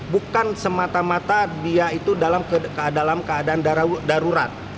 bukan semata mata dia itu dalam keadaan darurat